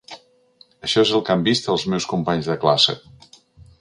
Això és el que han vist els meus companys de classe.